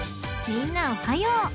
［みんなおはよう］